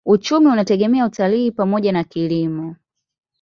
Uchumi unategemea utalii pamoja na kilimo.